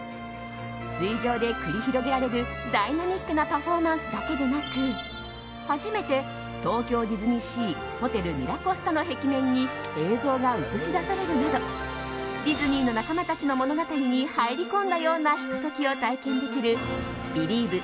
水上で繰り広げられるダイナミックなパフォーマンスだけでなく初めて東京ディズニーシー・ホテルミラコスタの壁面に映像が映し出されるなどディズニーの仲間たちの物語に入り込んだようなひと時を体験できる「ビリーヴ！